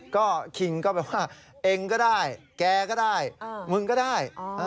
ก็คิงก็แบบว่าเองก็ได้แกก็ได้มึงก็ได้